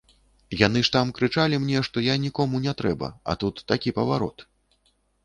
Яны ж там крычалі мне, што я нікому не трэба, а тут такі паварот.